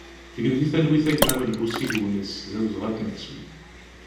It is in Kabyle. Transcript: Gen di talwit a gma Melbusi Lewnis, d awezɣi ad k-nettu!